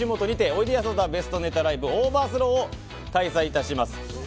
おいでやす小田ベストネタライブ「オーバースロー」を開催いたします。